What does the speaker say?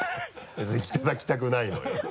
別にいただきたくないのよ。